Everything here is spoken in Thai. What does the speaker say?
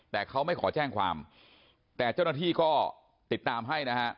แต่เขาไม่ขอแจ้งความแต่เจ้าหน้าที่ก็ติดตามให้นะฮะ